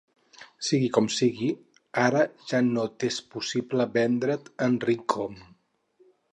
Sigui com sigui, ara ja no t'és possible vendre't en Rickon.